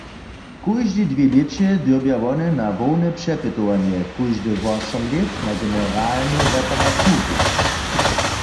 Kóždej dwě lěće dyrbja wone na hłowne přepytowanje, kóžde wosom lět na generalnu reparaturu.